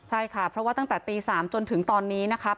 ใช่ค่ะเพราะว่าตั้งแต่ตี๓จนถึงตอนนี้นะครับ